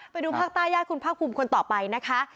ไปดูภาคใต้ญาติคุณภาคภูมิคนต่อไปนะคะ